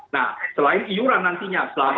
nah selain iura nantinya selama dua ribu dua puluh tiga